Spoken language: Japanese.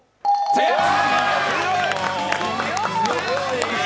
正解！